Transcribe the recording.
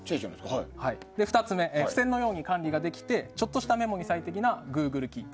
２つ目、付箋のように管理ができてちょっとしたメモに最適なＧｏｏｇｌｅＫｅｅｐ。